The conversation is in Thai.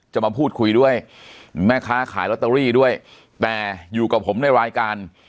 จะมาพูดคุยด้วยแม่ค้าขายลอตเตอรี่ด้วยแต่อยู่กับผมในรายการ